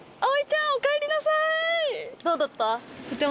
どうだった？